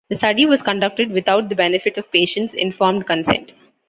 The study was conducted without the benefit of patients' informed consent.